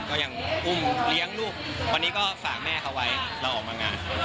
ก็ยังอุ้มเลี้ยงลูกวันนี้ก็ฝากแม่เขาไว้เราออกมางาน